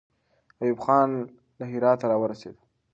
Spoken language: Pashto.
ایوب خان له هراته راورسېد.